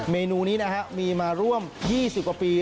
เมนูนี้นะฮะมีมาร่วม๒๐กว่าปี